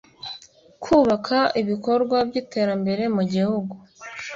Kubaka ibikorwa by iterambere mu gihugu